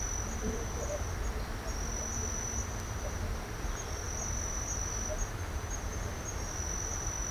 এরা মধ্য অস্ট্রেলিয়ার শুকনো অংশে বাস করে, মধ্য কুইন্সল্যান্ড ও দক্ষিণ অস্ট্রেলিয়া থেকে পশ্চিম অস্ট্রেলিয়া পর্যন্ত।